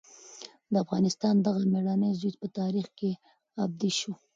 د افغانستان دغه مېړنی زوی په تاریخ کې ابدي شو.